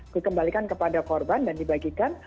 dikembalikan kepada korban dan dibagikan